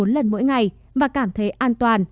bốn lần mỗi ngày và cảm thấy an toàn